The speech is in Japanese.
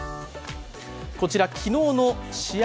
こちら、昨日の試合